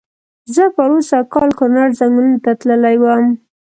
زه پرو سږ کال کونړ ځنګلونو ته تللی وم.